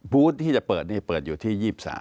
วูธที่จะเปิดนี่เปิดอยู่ที่๒๓